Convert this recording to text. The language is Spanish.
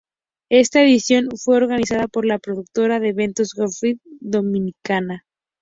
Esta edición fue organizada por la productora de eventos Gatsby Dominicana.